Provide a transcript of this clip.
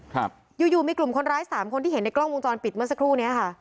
ครับอยู่อยู่มีกลุ่มคนร้ายสามคนที่เห็นในกล้องวงจรปิดเมื่อสักครู่เนี้ยค่ะ